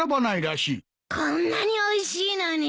こんなにおいしいのに。